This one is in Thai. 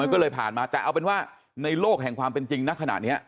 ก็เลยผ่านมาแต่เอาเป็นว่าในโลกแห่งความเป็นจริงณขณะนี้